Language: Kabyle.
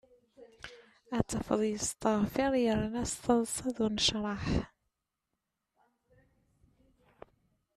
Ad tafeḍ yesteɣfir yerna s taḍsa d unecraḥ.